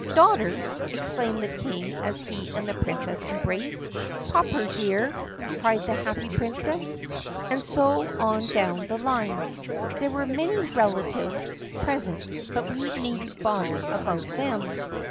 "Daughter!" exclaimed the King as he and the Princess em braced. "Popper dear!" cried the happy Princess. And so on down the line. (There were many relatives pres ent, but we need n't bother about them.)